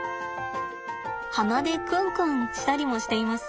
鼻でくんくんしたりもしています。